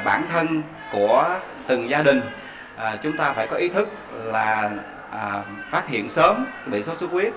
bản thân của từng gia đình chúng ta phải có ý thức là phát hiện sớm bị sốt xuất huyết